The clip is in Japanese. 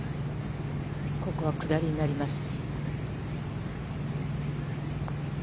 ここは下りになります。